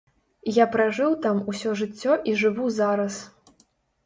Я пражыў там усё жыццё і жыву зараз.